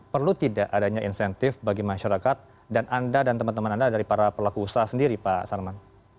perlu tidak adanya insentif bagi masyarakat dan anda dan teman teman anda dari para pelaku usaha sendiri pak sarman